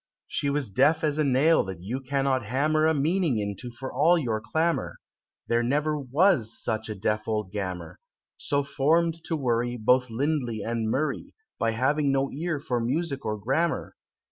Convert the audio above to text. She was deaf as a nail that you cannot hammer A meaning into for all your clamor There never was such a deaf old Gammer! So formed to worry Both Lindley and Murray, By having no ear for Music or Grammar!